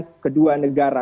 pertakaran kedua negara